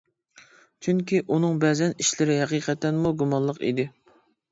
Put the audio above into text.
چۈنكى ئۇنىڭ بەزەن ئىشلىرى ھەقىقەتەنمۇ گۇمانلىق ئىدى.